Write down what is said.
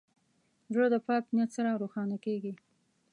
زړه د پاک نیت سره روښانه کېږي.